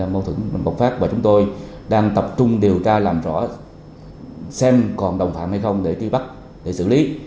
mâu thuẫn bọc phát và chúng tôi đang tập trung điều tra làm rõ xem còn đồng phạm hay không để ký bắt để xử lý